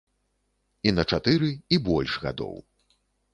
І на чатыры, і больш гадоў.